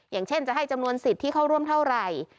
อย่างเช่นจะให้จำนวนสิทธิ์ที่เข้าร่วมเท่าไหร่